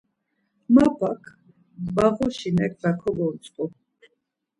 Mapak mbağuş neǩna kogontzǩu.